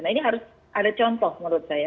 nah ini harus ada contoh menurut saya